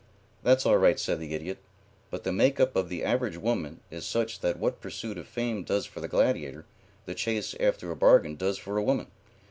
"That's all right," said the Idiot, "but the make up of the average woman is such that what pursuit of fame does for the gladiator, the chase after a bargain does for a woman.